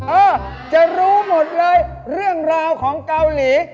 เออจะรู้หมดเลยเรื่องราวของเกาหลี